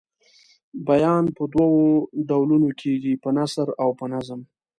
بیان په دوو ډولونو کیږي په نثر او په نظم.